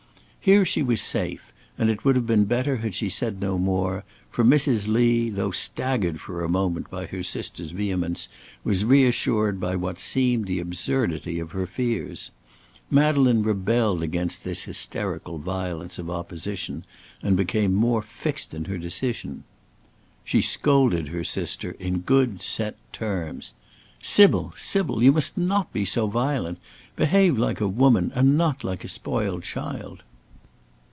Here she was safe, and it would have been better had she said no more, for Mrs. Lee, though staggered for a moment by her sister's vehemence, was reassured by what seemed the absurdity of her fears. Madeleine rebelled against this hysterical violence of opposition, and became more fixed in her decision. She scolded her sister in good, set terms "Sybil, Sybil! you must not be so violent. Behave like a woman, and not like a spoiled child!"